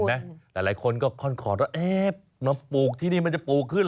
เห็นไหมหลายคนก็คล่อนแล้วน้ำปลูกที่นี่มันจะปลูกขึ้นเหรอ